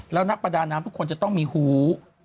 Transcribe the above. แล้วนักประดาน้ำทุกคนจะต้องมีหู